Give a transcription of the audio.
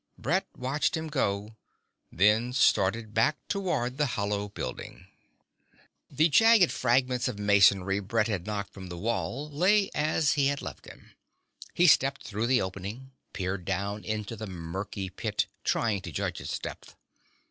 Brett watched him go, then started back toward the hollow building. The jagged fragments of masonry Brett had knocked from the wall lay as he had left them. He stepped through the opening, peered down into the murky pit, trying to judge its depth.